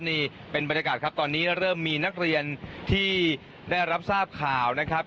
นี่เป็นบรรยากาศครับตอนนี้เริ่มมีนักเรียนที่ได้รับทราบข่าวนะครับ